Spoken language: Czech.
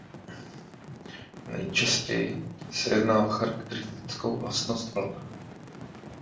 Nejčastěji se jedná o charakteristickou vlastnost vln.